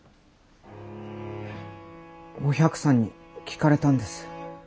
お百さんに聞かれたんです。